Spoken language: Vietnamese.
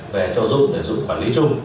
về cho dụng để dụng quản lý chung